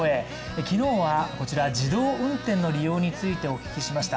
昨日はこちら、自動運転の利用についてお聞きしました。